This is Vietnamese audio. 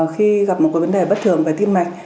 khi gặp một vấn đề bất thường về tim mạch